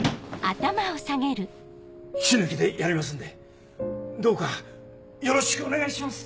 死ぬ気でやりますんでどうかよろしくお願いします。